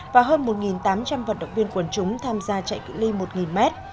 và hơn một tám trăm linh vận động viên quần chúng tham gia chạy cử ly một m